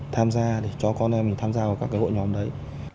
tham gia cho con em tham gia vào các hội nhóm đấy